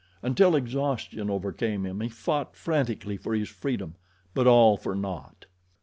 Until exhaustion overcame him he fought frantically for his freedom; but all for naught.